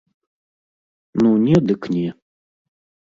Ну не дык не.